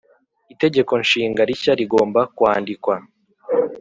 itegeko nshinga rishya rigomba kwandikwa